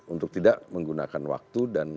untuk tidak menggunakan waktu dan